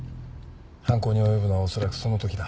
犯行に及ぶのはおそらくそのときだ。